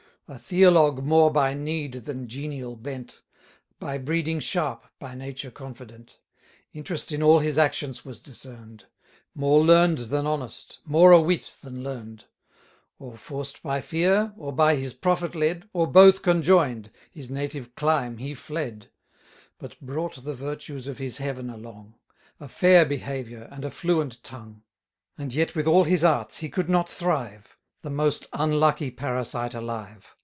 A theologue more by need than genial bent; By breeding sharp, by nature confident. Interest in all his actions was discern'd; 1150 More learn'd than honest, more a wit than learn'd: Or forced by fear, or by his profit led, Or both conjoin'd, his native clime he fled: But brought the virtues of his heaven along; A fair behaviour, and a fluent tongue. And yet with all his arts he could not thrive; The most unlucky parasite alive.